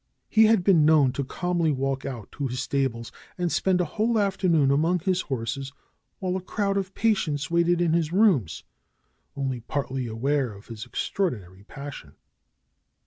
He had been known to calmly walk out to his stables and spend a whole afternoon among his horses while a crowd of patients waited in his rooms, only partly un aware of his extraordinary passion.